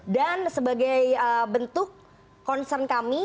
dan sebagai bentuk konsern kami